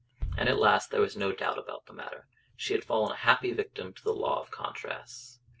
And at last there was no doubt about the matter. She had fallen a happy victim to the law of contrasts.